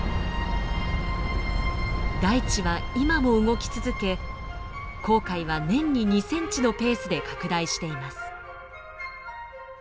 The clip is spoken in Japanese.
大地は今も動き続け紅海は年に２ｃｍのペースで拡大しています。